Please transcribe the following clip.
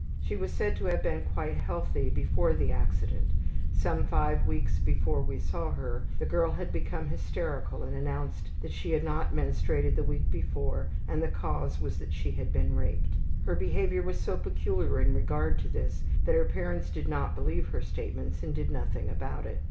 She was said to have been quite healthy before the accident. Some 5 weeks before we saw her, the girl had become hysterical and announced that she had not menstruated the week before and the cause was that she had been raped. Her behavior was so peculiar in regard to this that her parents did not believe her statements and did nothing about it.